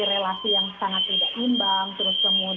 relasi yang sangat tidak imbang